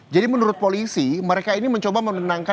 jadi menurut polisi mereka ini mencoba menurunkannya